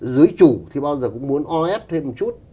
dưới chủ thì bao giờ cũng muốn o ép thêm một chút